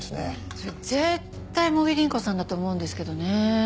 それ絶対茂木凛子さんだと思うんですけどね。